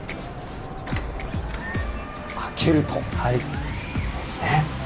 開けるということですね。